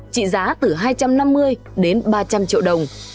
trị giá từ hai trăm năm mươi đến ba trăm linh triệu đồng